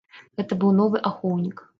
Гэта быў новы ахоўнік.